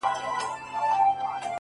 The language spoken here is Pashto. نفیب ټول ژوند د غُلامانو په رکم نیسې-